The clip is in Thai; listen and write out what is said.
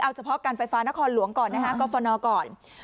เอาเฉพาะการไฟฟ้านครหลวงก่อนนะฮะกรฟนก่อน